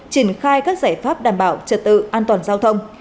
triển khai các giải pháp đảm bảo trật tự an toàn giao thông